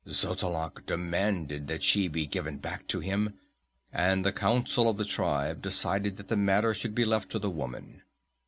Xotalanc demanded that she be given back to him, and the council of the tribe decided that the matter should be left to the woman.